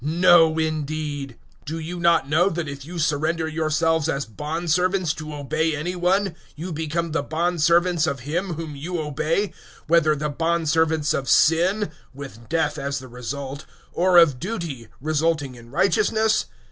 No, indeed! 006:016 Do you not know that if you surrender yourselves as bondservants to obey any one, you become the bondservants of him whom you obey, whether the bondservants of Sin (with death as the result) or of Duty (resulting in righteousness)?